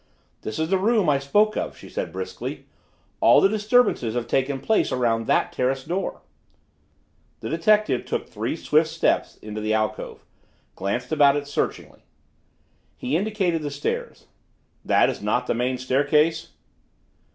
"This is the room I spoke of," she said briskly. "All the disturbances have taken place around that terrace door." The detective took three swift steps into the alcove, glanced about it searchingly. He indicated the stairs. "That is not the main staircase?"